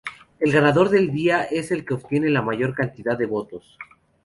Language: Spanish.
El ganador del día es el que obtiene la mayor cantidad de votos.